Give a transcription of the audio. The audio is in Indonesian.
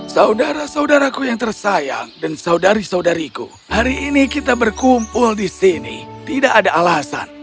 saudara saudaraku yang tersayang dan saudari saudariku hari ini kita berkumpul di sini tidak ada alasan